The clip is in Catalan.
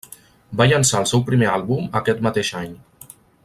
Va llançar el seu primer àlbum aquest mateix any.